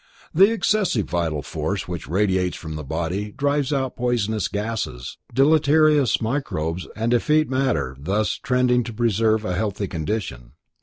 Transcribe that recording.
The excessive vital force which radiates from the body drives out poisonous gases, deleterious microbes and effete matter thus tending to preserve a healthy condition.